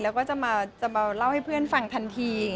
แล้วก็จะมาเล่าให้เพื่อนฟังทันที